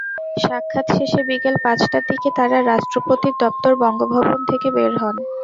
সাক্ষাৎ শেষে বিকেল পাঁচটার দিকে তাঁরা রাষ্ট্রপতির দপ্তর বঙ্গভবন থেকে বের হন।